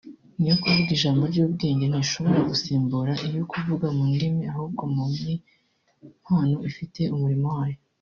n’ iyo kuvuga ijambo ry’ubwenge ntishobora gusimbura iyo kuvuga mu ndimi ahubwo buri mpano ifite umurimo wayo